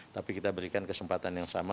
tapi kita berikan kesempatan yang sama